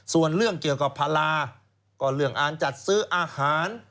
ส่วนเรื่องเกี่ยวกับภาระก็เรื่องการจัดซื้ออาหาร